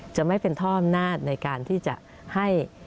จะไม่เป็นท่ออำนาจในการที่จะให้